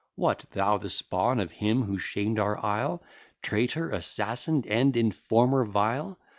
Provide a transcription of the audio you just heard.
"What! thou, the spawn of him who shamed our isle, Traitor, assassin, and informer vile!